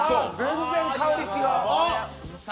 全然香り違う！